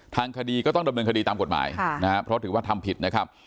ทางคดีก็ต้องดำเนินคดีตามกฎหมายนะครับเพราะถือว่าทำผิดนะครับ